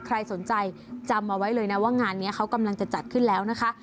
ใครสนใจจำเอาไว้เลยนะว่างานนี้เขากำลังจะจัดขึ้นแล้วนะคะ